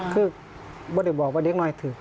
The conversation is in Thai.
คือบะเด็กบอกว่าบะเด็กหน่อยถือก